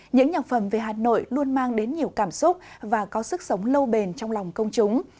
những nhạc phẩm về hà nội luôn mang đến nhiều cảm xúc và có sức sống lâu bền trong lòng công chúng